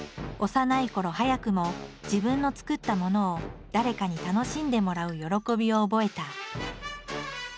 幼いころ早くも自分の作ったものを誰かに楽しんでもらう喜びを覚えた。